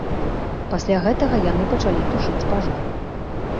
Пасля гэтага яны пачалі тушыць пажар.